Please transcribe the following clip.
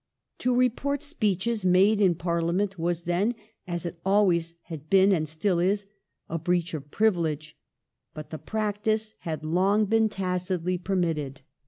To report speeches made in Pai'liament was then, as it always had been and still is, a breach of privilege ; but the practice had long been tacitly permitted.